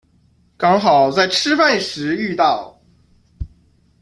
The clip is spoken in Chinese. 刚好在吃饭时遇到